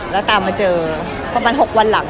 แล้วตามมาเจอประมาณ๖วันหลัง